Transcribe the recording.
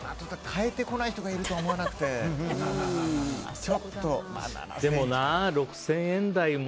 変えてこない人がいるとはでもな、６０００円台も。